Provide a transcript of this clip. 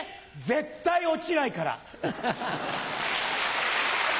絶対オチないから。